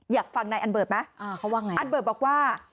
อยากฟังนายอันเบิร์ตไหมอ่าเขาว่าไงอันเบิร์ตบอกว่า